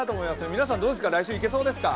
皆さん、どうですか、お花見行けそうですか。